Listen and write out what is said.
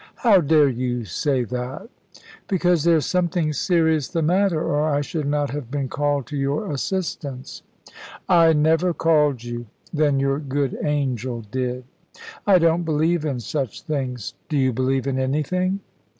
"How dare you say that?" "Because there is something serious the matter, or I should not have been called to your assistance." "I never called you." "Then your good angel did." "I don't believe in such things." "Do you believe in anything?"